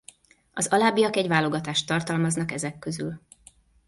Az alábbiak egy válogatást tartalmaznak ezek közül.